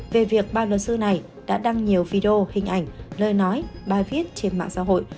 về việc ba luật sư này đã đăng nhiều video hình ảnh lời nói bài viết trên mạng xã hội